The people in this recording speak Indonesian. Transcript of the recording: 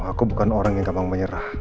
aku bukan orang yang gampang menyerah